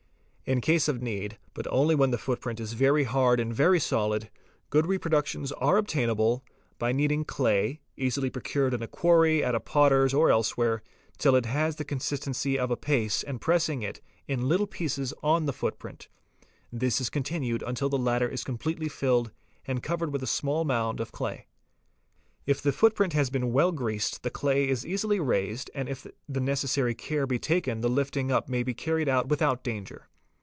In case of need, but only when the footprint is very hard and very solid, good reproductions are obtainable, by kneading clay, easily procur able in a quarry, at a potter's, or elsewhere, till it has the consistency of a paste and pressing it in little pieces on the footprint; this is continued until the latter is completely filled and covered with a small mound of clay. If the footprint has been well greased the clay is easily raised and if the necessary care be taken the lifting up may be carried out without danger.